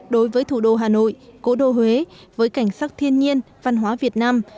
đối với thủ đô hà nội cổ đô huế với cảnh sắc thiên nhiên văn hóa việt nam